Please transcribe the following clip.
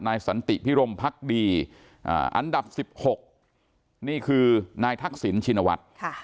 นายสันติพิรมพัคดีอ่าอันดับหกนี่คือนายทักษิญชินวัดค่ะ